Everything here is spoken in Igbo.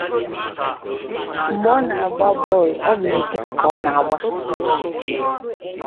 Mgbe ọ na-agba bọọlụ, ọ bụ n'etiti ka ọ na-agba.